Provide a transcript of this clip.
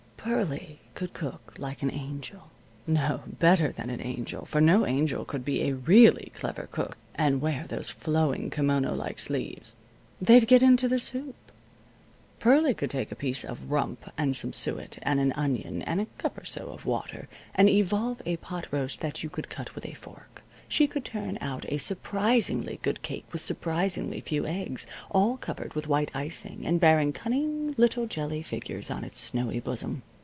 Pearlie could cook like an angel; no, better than an angel, for no angel could be a really clever cook and wear those flowing kimono like sleeves. They'd get into the soup. Pearlie could take a piece of rump and some suet and an onion and a cup or so of water, and evolve a pot roast that you could cut with a fork. She could turn out a surprisingly good cake with surprisingly few eggs, all covered with white icing, and bearing cunning little jelly figures on its snowy bosom.